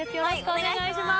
お願いします。